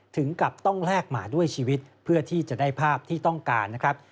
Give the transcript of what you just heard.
ถึงกับต้องแลกมาด้วยชีวิตเพื่อที่จะได้ภาพที่ต้องการนะครับ